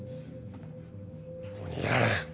もう逃げられん。